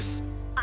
あ？